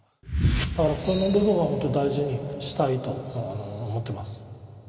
だからここの部分は本当に大事にしたいと思ってます。